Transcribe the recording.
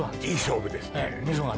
いい勝負ですね